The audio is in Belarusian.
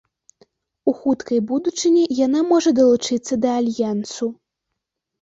У хуткай будучыні яна можа далучыцца да альянсу.